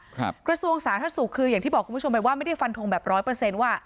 กระทรวงสาธารณสุขคืออย่างที่บอกคุณผู้ชมไปว่าไม่ได้ฟันทงแบบร้อยเปอร์เซ็นต์ว่า